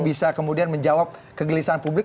bisa kemudian menjawab kegelisahan publik